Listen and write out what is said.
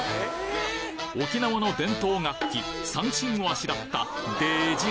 沖縄の伝統楽器三線をあしらったでーじ